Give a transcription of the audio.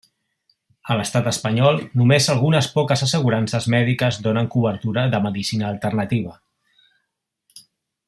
A l'Estat espanyol, només algunes poques assegurances mèdiques donen cobertura de medicina alternativa.